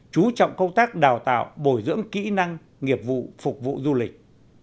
chú trọng công tác đào tạo bồi dưỡng kỹ năng nghiệp vụ phục vụ du lịch